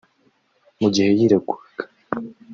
Mu gihe yireguraga